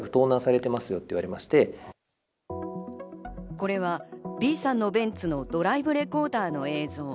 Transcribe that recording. これはＢさんのベンツのドライブレコーダーの映像。